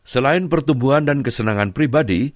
selain pertumbuhan dan kesenangan pribadi